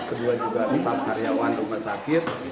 kedua juga staf karyawan rumah sakit